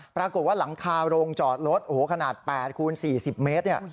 ปรากฏว่าหลังคาโรงจอดรถโอ้โหขนาด๘คูณ๔๐เมตรเนี่ย